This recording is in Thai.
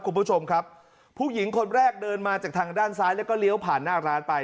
คุณผู้ชมครับผู้หญิงคนแรกเดินมาจากทางด้านซ้ายแล้วก็เลี้ยวผ่านหน้าร้านไป